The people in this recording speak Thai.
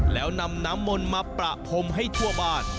แล้วนำน้ำมนต์มาประพรมให้ทั่วบ้าน